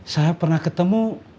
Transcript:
saya pernah ketemu